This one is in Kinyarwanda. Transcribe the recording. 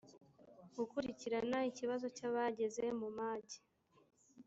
gukurikirana ikibazo cy abageze mumage